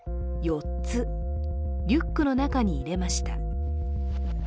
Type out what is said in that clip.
リュックの中にいれました。